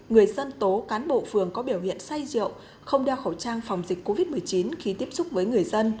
người dân tố cán bộ phường có biểu hiện say rượu không đeo khẩu trang phòng dịch covid một mươi chín khi tiếp xúc với người dân